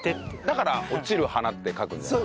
だから「落ちる花」って書くんじゃない？